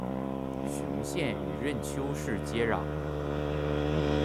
雄县与任丘市接壤。